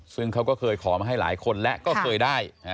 ซึ่งเขาก็เคยขอมาให้หลายคนและก็เคยได้